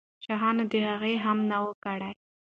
شاهانو د هغې غم نه وو کړی.